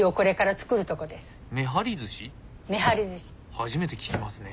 初めて聞きますね。